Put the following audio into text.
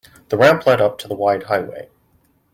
The ramp led up to the wide highway.